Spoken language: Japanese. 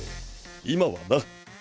今はな。